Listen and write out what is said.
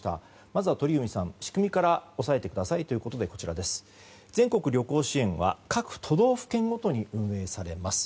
まずは鳥海さん、仕組みから押さえてくださいということで全国旅行支援は各都道府県ごとに運営されます。